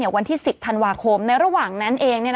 วันที่๑๐ธันวาคมในระหว่างนั้นเอง